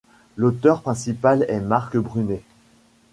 L'auteur principal est Marc Brunet.